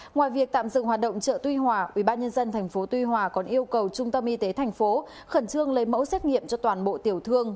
ngoài việc tạm dừng hoạt động chợ tuy hòa ubnd tp tuy hòa còn yêu cầu trung tâm y tế thành phố khẩn trương lấy mẫu xét nghiệm cho toàn bộ tiểu thương